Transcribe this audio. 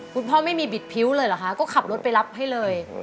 คุณพ่อไม่มีบิดพิ้วเลยเหรอคะก็ขับรถไปรับให้เลย